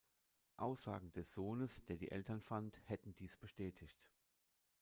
Aussagen des Sohnes, der die Eltern fand, hätten dies bestätigt.